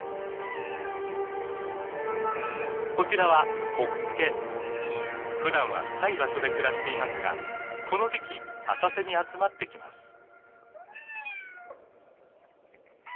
こちらはふだんは深い場所で暮らしていますがこの時期浅瀬に集まってきます。